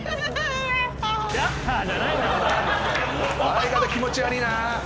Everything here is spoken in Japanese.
笑い方気持ち悪いな。